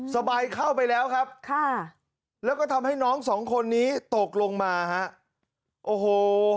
สบายเข้าไปแล้วครับค่ะแล้วก็ทำให้น้องสองคนนี้ตกลงมาฮะโอ้โห